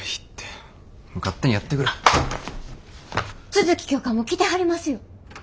都築教官も来てはりますよ。